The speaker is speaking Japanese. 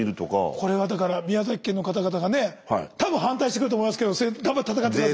これはだから宮崎県の方々がね多分反対してくると思いますけど頑張って闘って下さい。